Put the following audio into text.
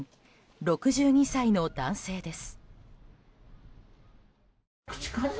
６２歳の男性です。